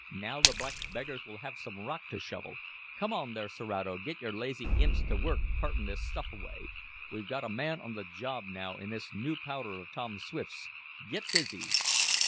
"Now the black beggars will have some rock to shovel! Come on there, Serato, git yer lazy imps t' work cartin' this stuff away. We've got a man on th' job now in this new powder of Tom Swift's. Git busy!"